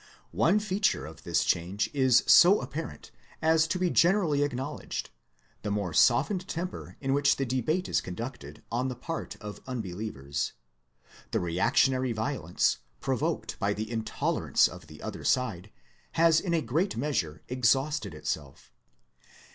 One feature of this change is so apparent as to be generally acknow ledged ; the more softened temper in which the debate is conducted on the part of unbelievers. The reac tionary violence, provoked by the intolerance of the other side, has in a great measure exhausted itself.